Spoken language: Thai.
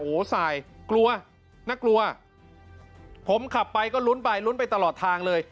โอ้โหสายกลัวน่ากลัวผมขับไปก็ลุ้นไปลุ้นไปตลอดทางเลย